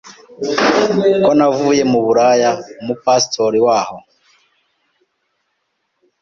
ko navuye mu buraya, umu pastor waho